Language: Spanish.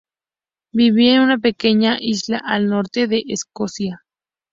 Vivía en una pequeña isla al norte de Escocia.